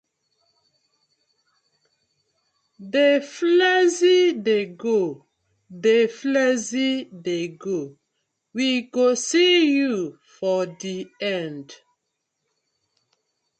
Dey flex dey go, dey flex dey go, we go see yu for di end.